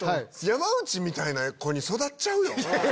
山内みたいな子に育っちゃうよ？